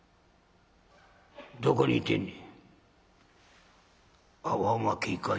どこにいてんねん？